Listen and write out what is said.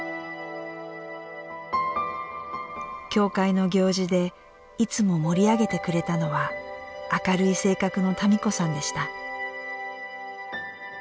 教会の行事でいつも盛り上げてくれたのは明るい性格の多美子さんでした。